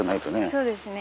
そうですね。